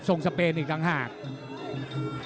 ทรงสเปนอีกทางหาก